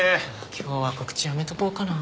今日は告知やめとこうかな。